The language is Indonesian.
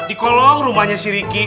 di kolong rumahnya siriki